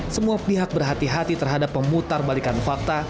semua pihak berhati hati terhadap pemutar balikan fakta